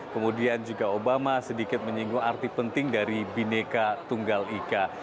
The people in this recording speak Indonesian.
kemudian juga obama sedikit menyinggung arti penting dari bineka tunggal ika